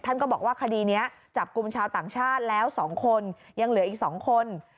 ก็บอกว่าคดีนี้จับกลุ่มชาวต่างชาติแล้ว๒คนยังเหลืออีก๒คน